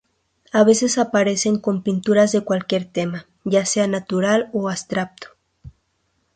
A veces aparecen con pinturas de cualquier tema, ya sea natural o abstracto.